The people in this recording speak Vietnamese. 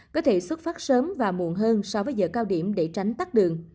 có thể xuất phát sớm và muộn hơn so với giờ cao điểm để tránh tắt đường